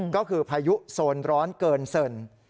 ก็คือพายุโซนร้อนเกินเซิน